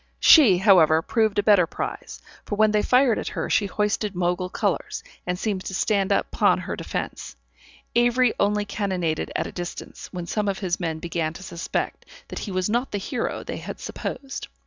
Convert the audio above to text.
She, however, proved a better prize; for when they fired at her she hoisted Mogul colors, and seemed to stand upon her defence. Avery only cannonaded at a distance, when some of his men began to suspect that he was not the hero they had supposed.